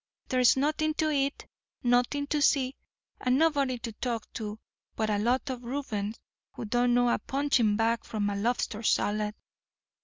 There's nothing to eat, nothing to see, and nobody to talk to but a lot of Reubens who don't know a punching bag from a lobster salad."